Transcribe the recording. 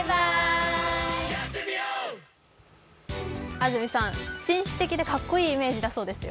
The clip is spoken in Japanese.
安住さん、紳士的でかっこいいイメージだそうですよ。